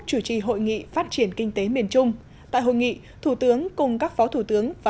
chủ trì hội nghị phát triển kinh tế miền trung tại hội nghị thủ tướng cùng các phó thủ tướng và